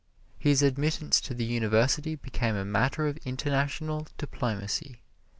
His admittance to the university became a matter of international diplomacy.